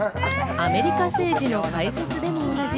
アメリカ政治の解説でもおなじみ